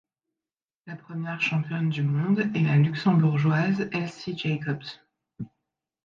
La première championne du monde est la Luxembourgoise Elsy Jacobs.